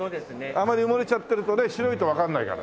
あまり埋もれちゃってるとね白いとわかんないから。